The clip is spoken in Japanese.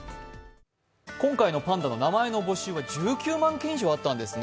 今回のパンダの名前の募集は１９万件もあったんですね。